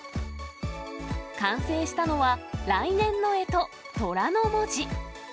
完成したのは来年の干支、とらの文字。